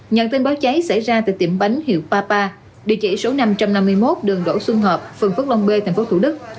nhận tin báo cháy xảy ra tại tiệm bánh hiệu papa địa chỉ số năm trăm năm mươi một đường đỗ xuân hợp phường phước long b thành phố thủ đức